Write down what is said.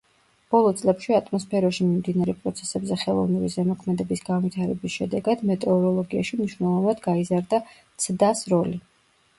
ბოლო წლებში ატმოსფეროში მიმდინარე პროცესებზე ხელოვნური ზემოქმედების განვითარების შედეგად მეტეოროლოგიაში მნიშვნელოვნად გაიზარდა ცდას როლი.